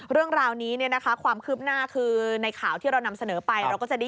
เรื่องราวนี้ความคืบหน้าคือในข่าวที่เรานำเสนอไป